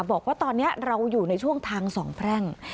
บอกว่าตอนนี้เราอยู่ในช่วงทางสองแพร่ง